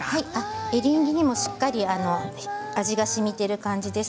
エリンギにもしっかり味がしみている感じです。